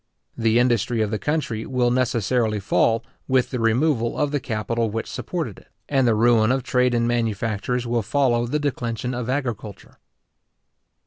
The industry of the country will necessarily fall with the removal of the capital which supported it, and the ruin of trade and manufactures will follow the declension of agriculture.